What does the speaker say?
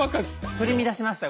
取り乱しました。